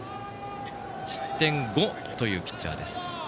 失点５というピッチャーです。